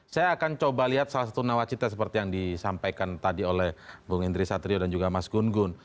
saya akan coba lihat salah satu nawacita seperti yang disampaikan tadi oleh bung indri satrio dan juga mas gun gun